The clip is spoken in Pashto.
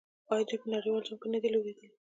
آیا دوی په نړیوال جام کې نه دي لوبېدلي؟